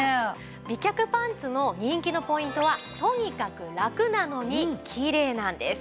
美脚パンツの人気のポイントはとにかくラクなのにきれいなんです。